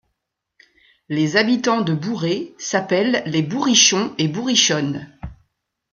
Les habitants de Bourré s'appellent les Bourrichons et Bourrichones.